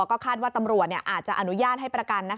ก็คาดว่าตำรวจอาจจะอนุญาตให้ประกัน